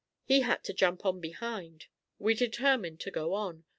He had to jump on behind. We determined to go on.